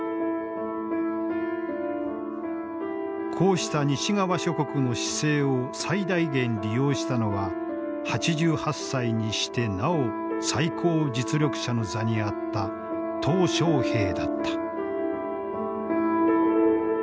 こうした西側諸国の姿勢を最大限利用したのは８８歳にしてなお最高実力者の座にあった小平だった。